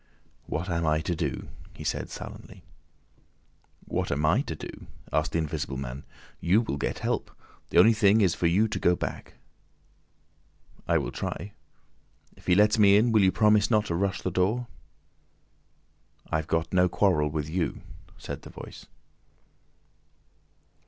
"What am I to do?" he said sullenly. "What am I to do?" asked the Invisible Man. "You will get help. The only thing is for you to go back." "I will try. If he lets me in will you promise not to rush the door?" "I've got no quarrel with you," said the Voice.